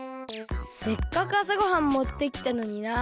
せっかくあさごはんもってきたのにな。